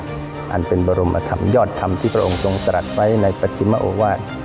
อันเป็นบรมธรรมยอดธรรมที่พระองค์ทรงตรัสไว้ในปฏิมโอวาส